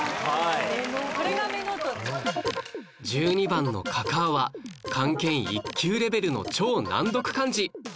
１２番の嬶は漢検１級レベルの超難読漢字